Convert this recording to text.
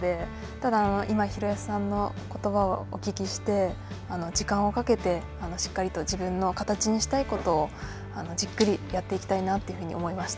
ただ、今、宏保さんのことばをお聞きして、時間をかけてしっかりと自分の形にしたいことをじっくりやっていきたいなというふうに思いました。